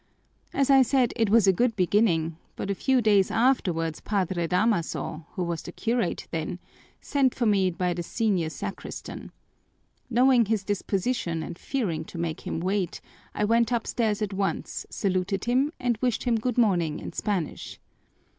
As I said, it was a good beginning, but a few days afterwards Padre Damaso, who was the curate then, sent for me by the senior sacristan. Knowing his disposition and fearing to make him wait, I went upstairs at once, saluted him, and wished him good morning in Spanish.